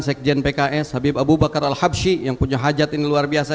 sekjen pks habib abu bakar al habshi yang punya hajat ini luar biasa